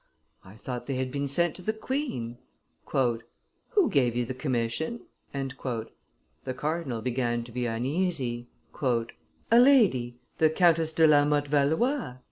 "I thought they had been sent to the queen." "Who gave you the commission?" (The cardinal began to be uneasy.) "A lady, the Countess de la Motte Valois